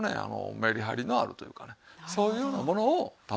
メリハリのあるというかねそういうようなものを食べる事。